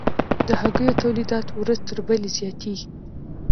د هګیو تولیدات ورځ تر بلې زیاتیږي